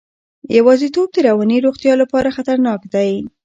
یوازیتوب د رواني روغتیا لپاره خطرناک دی.